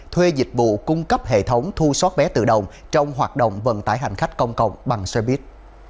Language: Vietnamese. thuê dịch vụ cung cấp hệ thống thu xoát vé tự động trong hoạt động vận tải hành khách công cộng bằng xe buýt